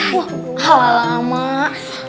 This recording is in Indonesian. wah halal mak